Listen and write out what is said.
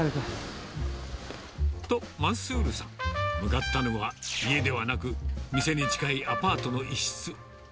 と、マンスールさん、向かったのは、家ではなく、店に近いアパートの一室。